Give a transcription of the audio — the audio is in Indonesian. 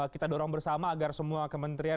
kita dorong bersama agar semua kementerian